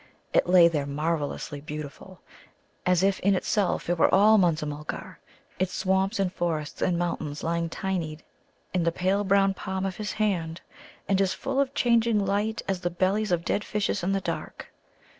It lay there marvellously beautiful, as if in itself it were all Munza mulgar, its swamps and forests and mountains lying tinied in the pale brown palm of his hand, and as full of changing light as the bellies of dead fishes in the dark.